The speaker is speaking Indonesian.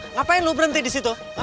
ngapain lo berhenti disitu